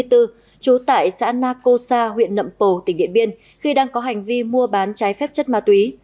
trú tại xã na cô sa huyện nậm pồ tỉnh điện biên khi đang có hành vi mua bán trái phép chất ma túy